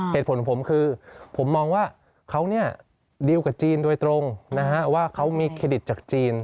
เหตุผลของผมคือผมมองว่าเขาดีลกับจีนโดยตรงว่าเขามีเครดิตจากจีน